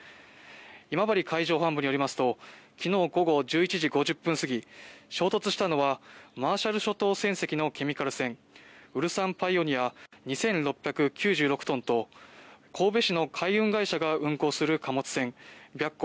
今治海上保安部によりますと昨日午後１１時５０分過ぎ衝突したのはマーシャル諸島船籍のケミカル船「ウルサンパイオニア」２６９６トンと神戸市の海運会社が運航する海運船「白虎」